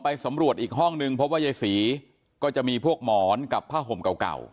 สำรวจอีกห้องนึงพบว่ายายศรีก็จะมีพวกหมอนกับผ้าห่มเก่า